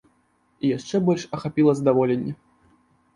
І яшчэ больш ахапіла здаволенне.